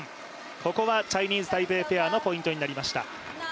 ここは、チャイニーズ・タイペイペアのポイントになりました。